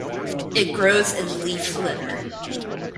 It grows in leaf litter.